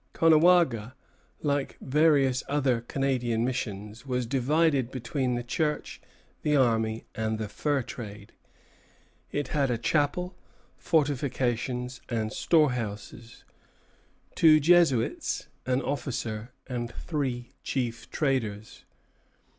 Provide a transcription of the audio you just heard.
Caughnawaga, like various other Canadian missions, was divided between the Church, the army, and the fur trade. It had a chapel, fortifications, and storehouses; two Jesuits, an officer, and three chief traders.